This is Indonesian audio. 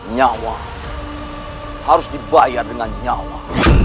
nyawa harus dibayar dengan nyawa